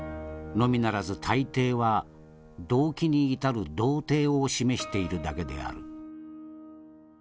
のみならず大抵は動機に至る道程を示しているだけである。